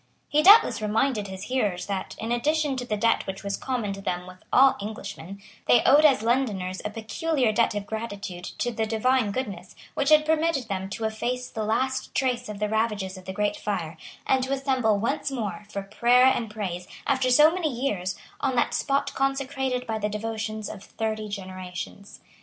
He doubtless reminded his hearers that, in addition to the debt which was common to them with all Englishmen, they owed as Londoners a peculiar debt of gratitude to the divine goodness, which had permitted them to efface the last trace of the ravages of the great fire, and to assemble once more, for prayer and praise, after so many years, on that spot consecrated by the devotions of thirty generations.